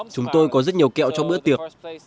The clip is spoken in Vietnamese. chúng tôi có rất nhiều kẹo trong bữa tiệc